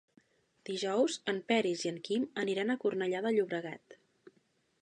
Dijous en Peris i en Quim aniran a Cornellà de Llobregat.